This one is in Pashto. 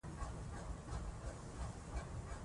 هغه د ایران اسلامي جمهوریت مشر ته د دوستۍ پیغام ورکړ.